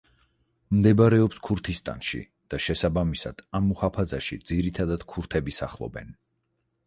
მდებარეობს ქურთისტანში და შესაბამისად, ამ მუჰაფაზაში ძირითადად ქურთები სახლობენ.